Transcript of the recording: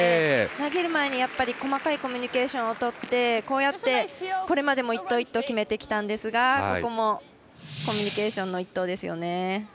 投げる前に、細かいコミュニケーションを取ってこうやって、これまでも１投１投決めてきたんですがここもコミュニケーションの１投ですね。